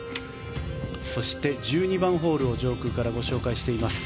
そして、１２番ホールを上空からご紹介しています。